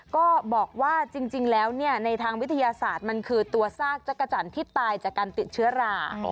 ก็บอกว่าจริงแล้วในทางวิทยาศาสตร์มันคือตัวซากจักรจันทร์ที่ตายจากการติดเชื้อรา